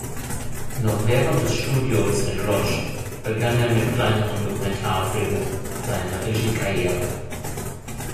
Noch während des Studiums in Łódź begann er mit kleineren Dokumentarfilmen seine Regiekarriere.